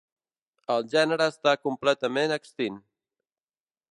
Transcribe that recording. El gènere està completament extint.